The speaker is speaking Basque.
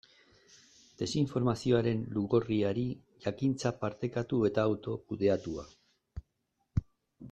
Desinformazioaren lugorriari, jakintza partekatu eta autokudeatua.